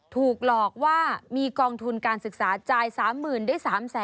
ถูกหลอกว่ามีกองทุนการศึกษาจ่าย๓๐๐๐ได้๓๐๐๐